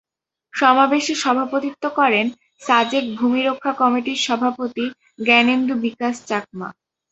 সমাবেশে সভাপতিত্ব করেন সাজেক ভূমি রক্ষা কমিটির সভাপতি জ্ঞানেন্দু বিকাশ চাকমা।